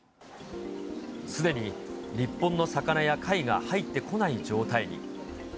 すでに日本の魚や貝が入ってこない状態に。